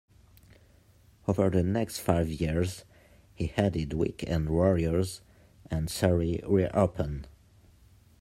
Over the next five years he added Weak-end Warriors and Sorry, We're Open.